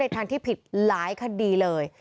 ทางที่ผิดหลายคดีเลย